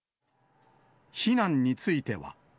避難については。